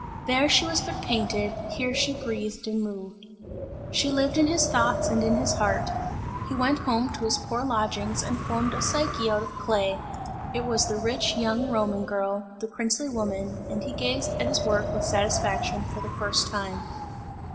There she was but painted, here she breathed and moved. She lived in his thoughts and in his heart; he went home to his poor lodgings and formed a Psyche out of clay; it was the rich, young Roman girl, the princely woman, and he gazed at his work with satisfaction, for the first time.